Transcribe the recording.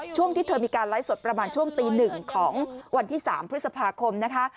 ที่เธอมีการไลฟ์สดประมาณช่วงตี๑ของวันที่๓พฤษภาคมนะคะ